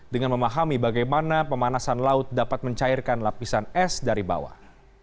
dengan memahami bagaimana pemanasan laut dapat mencairkan lapisan es dari bawah